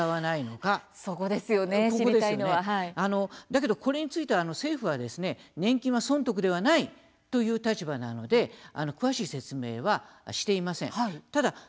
だけど、これについては政府は年金は損得ではないという立場なので詳しい説明はしていません。